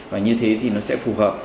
và như thế thì nó sẽ phù hợp